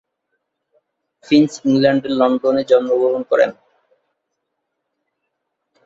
Finch ইংল্যান্ডের লন্ডনে জন্মগ্রহণ করেন।